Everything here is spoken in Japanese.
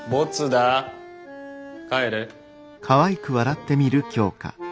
帰れ。